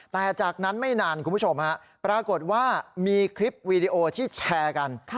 แต่จากนั้นไม่นานคุณผู้ชมฮะปรากฏว่ามีคลิปวีดีโอที่แชร์กัน